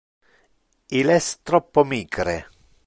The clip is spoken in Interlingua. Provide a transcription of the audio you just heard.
Il es troppo micre.